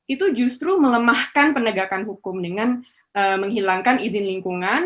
itu justru melemahkan penegakan hukum dengan menghilangkan izin lingkungan